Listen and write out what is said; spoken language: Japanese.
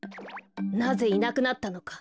なぜいなくなったのか。